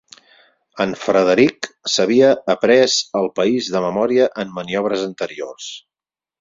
En Frederick s'havia après el país de memòria en maniobres anteriors.